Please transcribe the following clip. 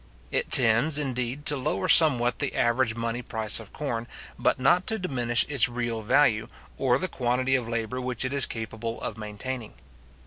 It tends, indeed, to lower somewhat the average money price of corn, but not to diminish its real value, or the quantity of labour which it is capable of maintaining.